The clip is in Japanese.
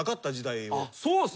そうっす。